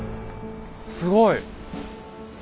すごい。